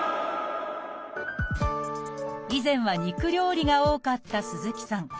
以前は肉料理が多かった鈴木さん。